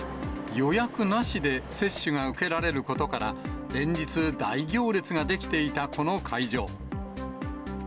予約なしで接種が受けられることから、連日、大行列が出来ていたこの会場。